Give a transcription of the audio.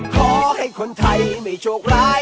ขอให้คนไทยไม่โชคร้าย